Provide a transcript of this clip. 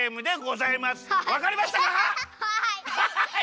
わかりましたか？